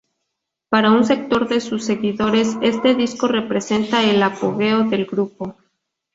Para un sector de sus seguidores, este disco representa el apogeo del grupo.